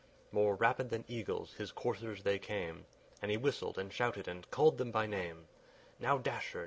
More rapid than eagles his coursers they came, And he whistled, and shouted, and called them by name: "Now, _Dasher!